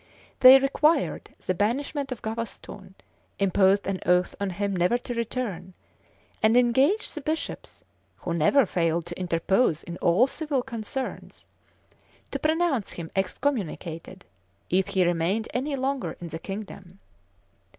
They required the banishment of Gavaston, imposed an oath on him never to return, and engaged the bishops, who never failed to interpose in all civil concerns, to pronounce him excommunicated if he remained any longer in the kingdom.